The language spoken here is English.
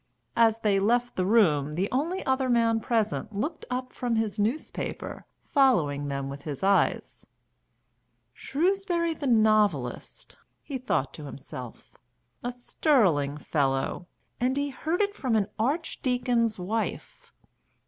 As they left the room the only other man present looked up from his newspaper, following them with his eyes. "Shrewsbury the novelist," he thought to himself. "A sterling fellow! And he heard it from an Archdeacon's wife.